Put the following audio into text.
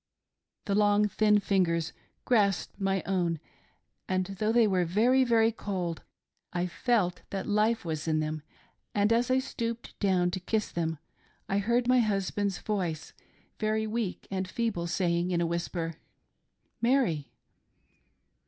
The long, thin fingers grasped my own, and though they were very, very cold, I felt that life was in them ; and as I stooped down to kiss them I heard my husband's voice, very weak and feeble, say ing in a whisper —" Mary."